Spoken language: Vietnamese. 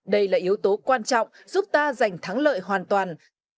đây là yếu tố quan trọng giúp ta giành thắng lợi hoàn toàn